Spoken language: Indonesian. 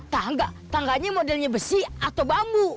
tangga tangganya modelnya besi atau bambu